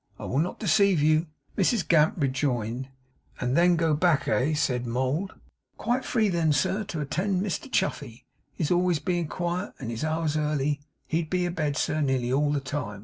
I will not deceive you,' Mrs Gamp rejoined. 'And then go back, eh?' said would. 'Quite free, then, sir, to attend to Mr Chuffey. His ways bein' quiet, and his hours early, he'd be abed, sir, nearly all the time.